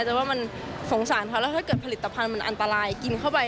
แต่ว่ามันสงสารเขาแล้วถ้าเกิดผลิตภัณฑ์มันอันตรายกินเข้าไป